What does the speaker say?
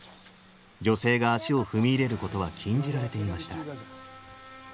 女性が足を踏み入れることは禁じられていました。